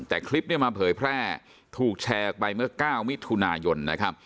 แต่คลิปนี้มาเผยแพร่ถูกแชร์ไปเมื่อ๙มิถุนายน